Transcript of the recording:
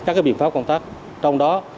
trộm pháo công tác trong đó